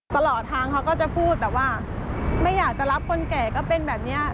ตลอดทางเขาก็จะพูดแบบว่าไม่อยากจะรับคนแก่ก็เป็นแบบนี้